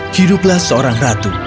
hiduplah seorang ratu